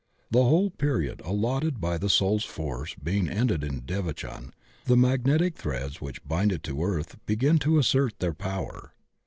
The whole period allotted by the soul's forces being ended in devachan, the magnetic threads which bind it to earth begin to assert their power.